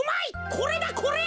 これだこれ。